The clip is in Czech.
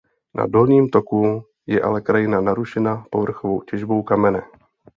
Na dolním toku je ale krajina narušena povrchovou těžbou kamene.